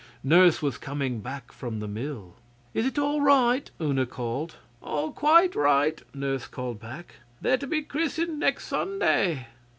Nurse was coming back from the mill. 'Is it all right?' Una called. 'All quite right,' Nurse called back. 'They're to be christened next Sunday.